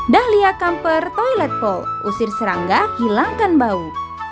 dahlia kamper toilet pole usir serangga hilangkan bau